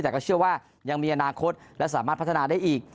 แต่ก็เชื่อว่ายังมีอนาคตและสามารถพัฒนาได้อีก